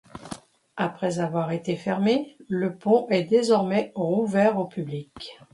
Après avoir été fermé, le pont est désormais rouvert au public.